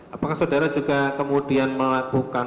apakah saudara juga kemudian melakukan